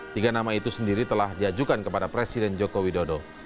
tiga nama itu sendiri telah diajukan kepada presiden joko widodo